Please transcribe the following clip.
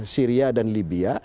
syria dan libya